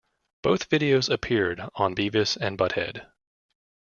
Both videos appeared on "Beavis and Butthead".